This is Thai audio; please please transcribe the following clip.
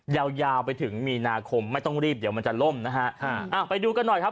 ยาวยาวไปถึงมีนาคมไม่ต้องรีบเดี๋ยวมันจะล่มนะฮะอ่าไปดูกันหน่อยครับ